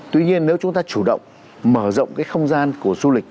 tuy nhiên nếu chúng ta chủ động mở rộng cái không gian của du lịch